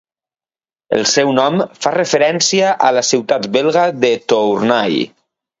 El seu nom fa referència a la ciutat belga de Tournai.